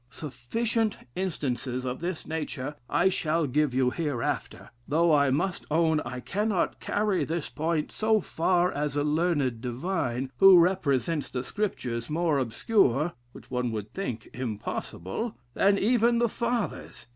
Sufficient instances of this nature I shall give you hereafter, though I must own, I cannot carry this point so far as a learned divine, who represents the Scriptures more obscure (which one would think impossible) than even the fathers.